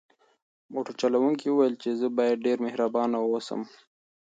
موټر چلونکي وویل چې زه باید ډېر مهربان واوسم.